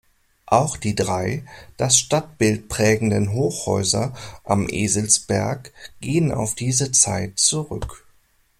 Auch die drei das Stadtbild prägenden Hochhäuser am Eselsberg gehen auf diese Zeit zurück.